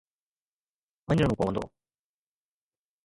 مڃڻو پوندو.